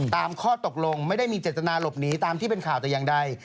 ข้อตกลงไม่ได้มีเจตนาหลบหนีตามที่เป็นข่าวแต่อย่างใด